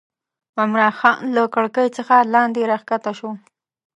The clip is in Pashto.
عمرا خان له کړکۍ څخه لاندې راکښته شو.